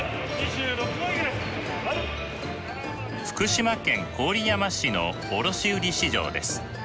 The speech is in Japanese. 福島県郡山市の卸売市場です。